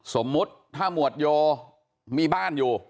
สมมุติถ้าหมวดโยมีบ้านอยู่